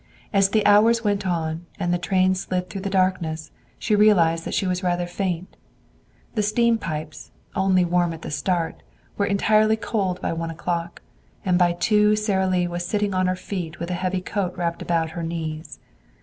As the hours went on and the train slid through the darkness she realized that she was rather faint. The steam pipes, only warm at the start, were entirely cold by one o'clock, and by two Sara Lee was sitting on her feet, with a heavy coat wrapped about her knees.